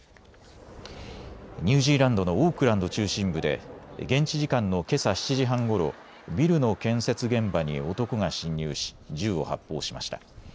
ニュージーランドのオークランド中心部で現地時間のけさ７時半ごろビルの建設現場に男が侵入し銃を発砲しました。